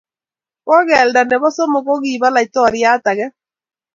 Kogelda nebo somok kogibo laitoriat age